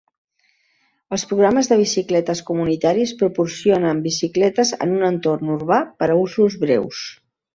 Els programes de bicicletes comunitaris proporcionen bicicletes en un entorn urbà per a usos breus.